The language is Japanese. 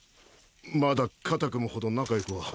まだ肩組む程仲良くは。